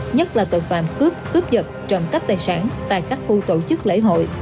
nhất là tội phạm cướp cướp giật trộm cắp tài sản tại các khu tổ chức lễ hội